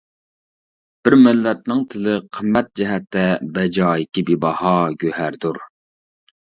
بىر مىللەتنىڭ تىلى قىممەت جەھەتتە بەجايىكى بىباھا گۆھەردۇر.